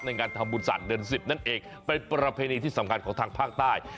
งานทำบุญศาสตร์เดือน๑๐นั่นเองเป็นประเพณีที่สำคัญของทางภาคใต้